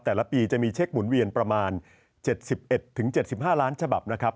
แต่ละปีจะมีเช็คหมุนเวียนประมาณ๗๑๗๕ล้านฉบับนะครับ